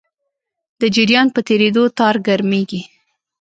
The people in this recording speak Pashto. د جریان په تېرېدو تار ګرمېږي.